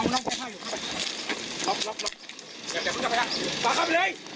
หลวงพี่กินอะไรเลย